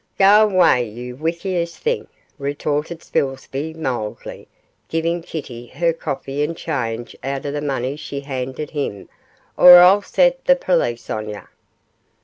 'Go away, you wicious thing,' retorted Spilsby, mildly, giving Kitty her coffee and change out of the money she handed him, 'or I'll set the perlice on yer.